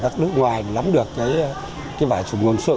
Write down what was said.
các nước ngoài lắm được vải sụn nguồn sợ